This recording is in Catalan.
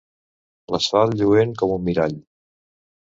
L'asfalt, lluent com un mirall.